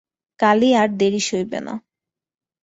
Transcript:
কালই, আর দেরি সইবে না।